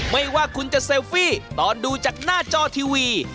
ไม่ว่าคุณจะเซลฟี่ตอนดูจากหน้าจอทีวี